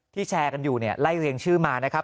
แชร์กันอยู่เนี่ยไล่เรียงชื่อมานะครับ